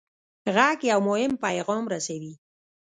غږ یو مهم پیغام رسوي.